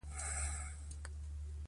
په خپلو اعمالو کې یې وساتو.